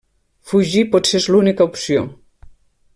Fugir potser és l'única opció.